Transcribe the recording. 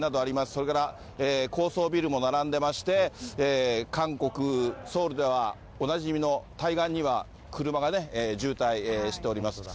それから高層ビルも並んでまして、韓国・ソウルではおなじみの対岸には車が渋滞しております。